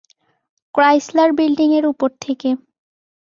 Chrysler building এর উপর থেকে।